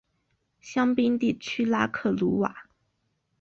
香槟地区拉克鲁瓦。